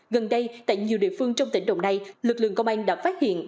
gần đây tại nhiều địa phương trong tỉnh đồng nai lực lượng công an đã phát hiện